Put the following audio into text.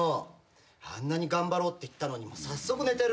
あんなに頑張ろうって言ったのに早速寝てる。